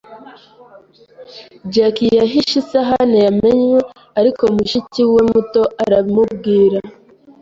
Jack yahishe isahani yamennye, ariko mushiki we muto aramubwira.